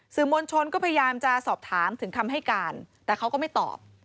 สื่อมวลชนก็พยายามจะสอบถามถึงคำให้การแต่เขาก็ไม่ตอบ